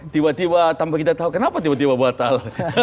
tiba tiba tanpa kita tahu kenapa tiba tiba batal